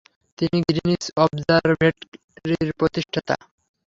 তিনি গ্রিনিচ অবজারভেটরির প্রতিষ্ঠাতা।